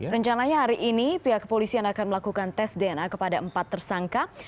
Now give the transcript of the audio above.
rencananya hari ini pihak kepolisian akan melakukan tes dna kepada empat tersangka